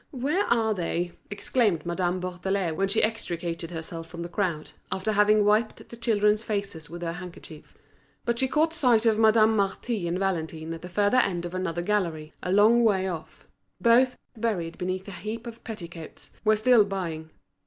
where are they?" exclaimed Madame Bourdelais when she extricated herself from the crowd, after having wiped the children's faces with her handkerchief. But she caught sight of Madame Marty and Valentine at the further end of another gallery, a long way off. Both buried beneath a heap of petticoats, were still buying.